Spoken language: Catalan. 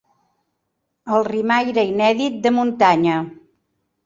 El rimaire inèdit de muntanya